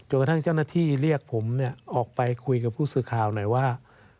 กระทั่งเจ้าหน้าที่เรียกผมออกไปคุยกับผู้สื่อข่าวหน่อยว่า